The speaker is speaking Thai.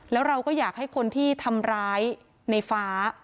แล้วเราก็อยากให้คนที่ทำร้ายในฟ้า